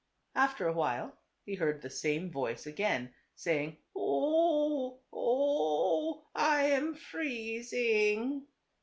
After awhile, he heard the same voice again, saying, " O oh, o oh ! I am freezing.